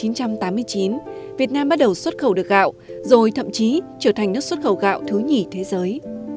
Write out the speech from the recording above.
năm một nghìn chín trăm tám mươi chín việt nam bắt đầu xuất khẩu được gạo rồi thậm chí trở thành nước xuất khẩu gạo thứ nhỉ thế giới